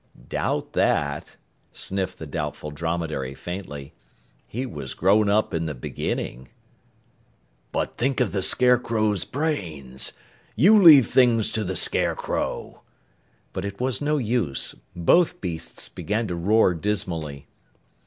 "Doubt that," sniffed the Doubtful Dromedary faintly. "He was grown up in the beginning." "But think of the Scarecrow's brains. You leave things to the Scarecrow." But it was no use. Both beasts began to roar dismally.